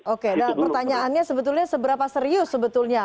oke pertanyaannya sebetulnya seberapa serius sebetulnya